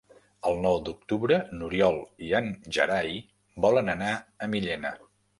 El nou d'octubre n'Oriol i en Gerai volen anar a Millena.